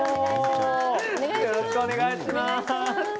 よろしくお願いします。